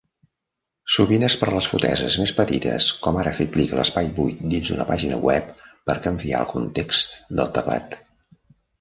Sovint és per les foteses més petites, com ara fer clic a l'espai buit dins d'una pàgina web per canviar el context del teclat.